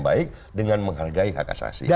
baik dengan menghargai hak asasi